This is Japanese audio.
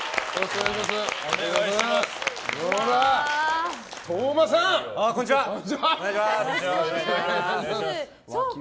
よろしくお願いします。